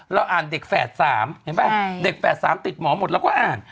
อ่านเด็กแฝด๓เห็นป่ะเด็กแฝด๓ติดหมอหมดเราก็อ่าน